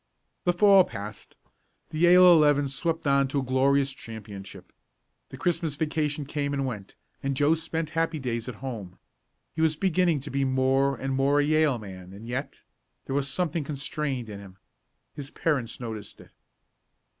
The Fall passed. The Yale eleven swept on to a glorious championship. The Christmas vacation came and went and Joe spent happy days at home. He was beginning to be more and more a Yale man and yet there was something constrained in him. His parents noticed it.